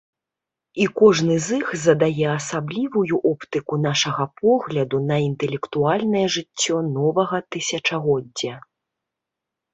І кожны з іх задае асаблівую оптыку нашага погляду на інтэлектуальнае жыццё новага тысячагоддзя.